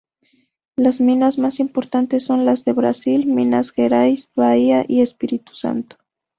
Las minas más importantes son las de Brasil: Minas Gerais, Bahía y Espíritu Santo.